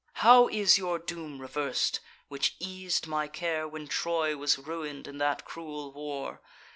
How is your doom revers'd, which eas'd my care When Troy was ruin'd in that cruel war?